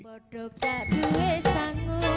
kepala karya dan karya karya